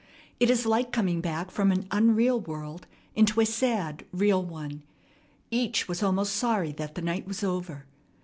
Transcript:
It is like coming back from an unreal world into a sad, real one. Each was almost sorry that the night was over.